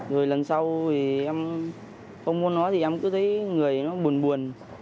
rồi lần sau thì em không muốn nói thì em cứ thấy người nó buồn buồn